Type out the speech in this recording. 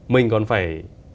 mình còn phải